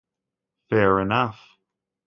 Fair enough.